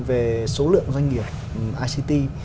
về số lượng doanh nghiệp ict